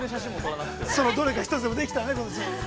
そのどれか一つでもできたらね。